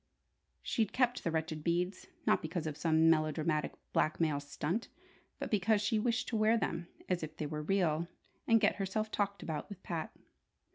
She'd kept the wretched beads, not because of some melodramatic blackmail "stunt," but because she wished to wear them as if they were real, and get herself talked about with Pat.